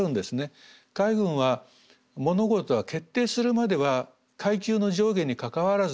海軍は物事は決定するまでは階級の上下にかかわらずですね